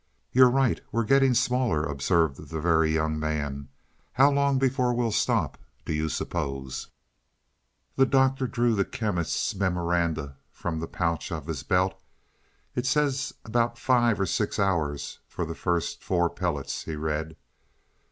"You're right; we're getting smaller," observed the Very Young Man. "How long before we'll stop, do you suppose?" The Doctor drew the Chemist's memoranda from the pouch of his belt. "It says about five or six hours for the first four pellets," he read.